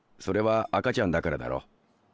それは赤ちゃんだからだろ。